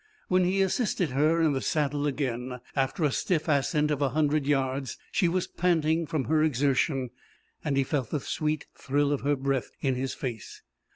When he assisted her in the saddle again, after a stiff ascent of a hundred yards, she was panting from her exertion, and he felt the sweet thrill of her breath in his face.